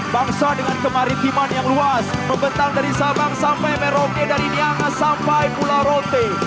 bangsa dengan kemaritiman yang luas membentang dari sabang sampai merauke dari niangas sampai pulau rote